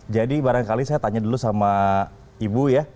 jadi barangkali saya tanya dulu sama ibu ya